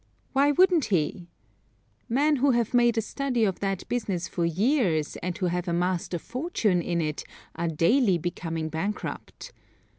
Why wouldn't he? Men who have made a study of that business for years, and who have amassed a fortune in it, are daily becoming bankrupt.